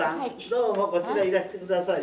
どうもこちらいらして下さい。